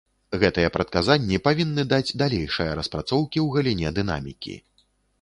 Гэтыя прадказанні павінны даць далейшыя распрацоўкі ў галіне дынамікі.